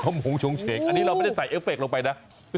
อันนี้เราไม่ได้ใส่เอฟเฟคล์ลงไปนะ